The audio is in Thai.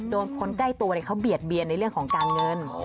คนใกล้ตัวเขาเบียดเบียนในเรื่องของการเงิน